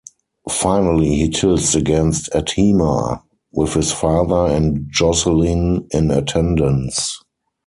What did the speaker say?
Finally he tilts against Adhemar, with his father and Jocelyn in attendance.